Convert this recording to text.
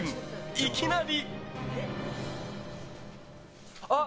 いきなり。